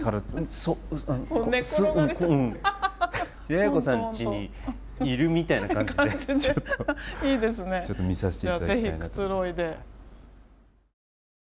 也哉子さんちにいるみたいな感じでちょっとちょっと見させて頂きたいなと。